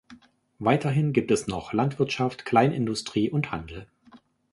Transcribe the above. Weiterhin gibt es noch Landwirtschaft, Kleinindustrie und Handel.